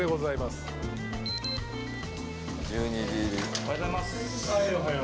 おはようございます。